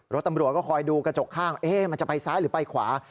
รถตำรวจก็คอยดูกระจกข้างมันจะไปซ้ายหรือไปขวา